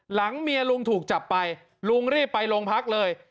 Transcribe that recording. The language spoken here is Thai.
หลังเมียลุงถูกจับไปลุงรีบไปโรงพักเลย